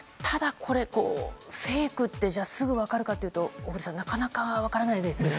じゃあ、フェイクってすぐ分かるかというと小栗さんなかなか分かりませんよね。